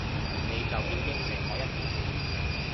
你就要應承我一件事